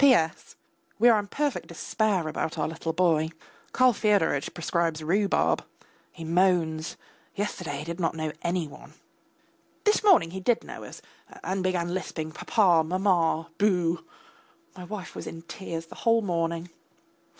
P.S. We are in perfect despair about our little boy. Karl Fyodoritch prescribes rhubarb. He moans. Yesterday he did not know any one. This morning he did know us, and began lisping papa, mamma, boo.... My wife was in tears the whole morning.